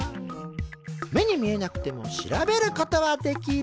目に見えなくても調べることはできる。